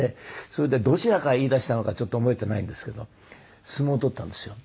それでどちらから言い出したのかちょっと覚えていないんですけど相撲を取ったんですよ。